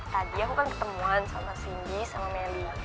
tadi aku kan ketemuan sama singgi sama melly